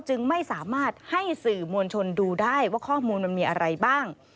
จึงไม่สามารถให้สื่อมวลชนดูได้ว่าข้อมูลมันมีอะไรบ้าง